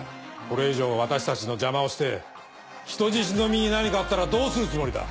これ以上私たちの邪魔をして人質の身に何かあったらどうするつもりだ？